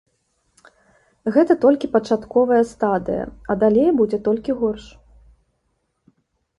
Гэта толькі пачатковая стадыя, а далей будзе толькі горш.